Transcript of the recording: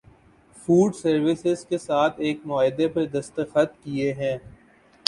food services کے ساتھ ایک معاہدے پر دستخط کیے ہیں